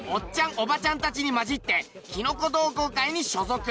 おばちゃんたちに交じってきのこ同好会に所属。